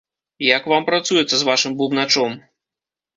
Як вам працуецца з вашым бубначом?